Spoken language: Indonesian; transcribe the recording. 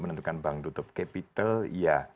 menentukan bank tutup capital iya